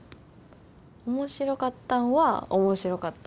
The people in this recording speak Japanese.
面白かったんは面白かった。